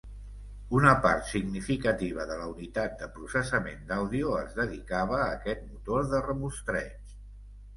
Una part significativa de la unitat de processament d'àudio es dedicava a aquest motor de remostreig.